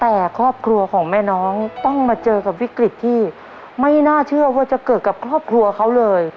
แต่ครอบครัวของแม่น้องต้องมาเจอกับวิกฤตที่ไม่น่าเชื่อว่าจะเกิดกับครอบครัวเขาเลย